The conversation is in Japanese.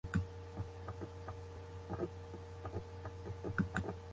第三に科学は価値の問題について中立的である。